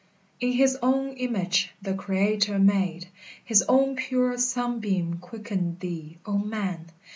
In his own image the Creator made, His own pure sunbeam quickened thee, O man!